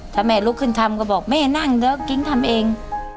ถ้าแม่ลุกขึ้นทำก็บอกแม่นั่งเดี๋ยวกิ๊งทำเอง